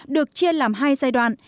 được chia làm hai giai đoạn